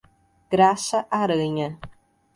Graça Aranha